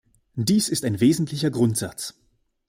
Dies ist ein wesentlicher Grundsatz.